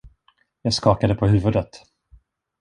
Jag skakade på huvudet.